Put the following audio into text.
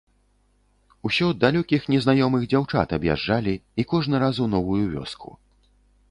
Усё далёкіх незнаёмых дзяўчат аб'язджалі, і кожны раз у новую вёску.